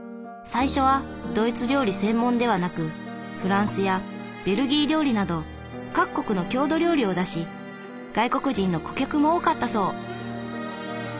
最初はドイツ料理専門ではなくフランスやベルギー料理など各国の郷土料理を出し外国人の顧客も多かったそう。